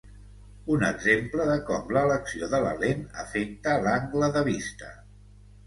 Un exemple de com l'elecció de la lent afecta l'angle de vista.